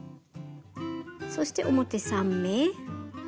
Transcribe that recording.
そして表３目。